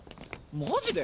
マジで？